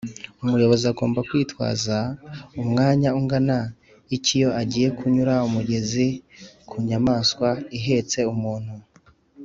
umuyobozi agomba kwitaza Umwanya ungana iki iyo agiye kunyura, umugenzi , kunyamaswa ihetse umuntu